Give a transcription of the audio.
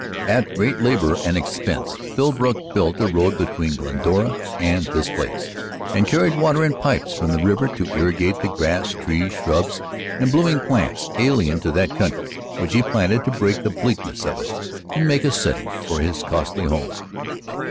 At great labor and expense Philbrook built a road between Glendora and this place, and carried water in pipes from the river to irrigate the grass, trees, shrubs and blooming plants alien to that country which he planted to break the bleakness of it and make a setting for his costly home.